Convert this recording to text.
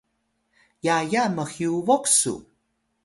yaya mhyubuq su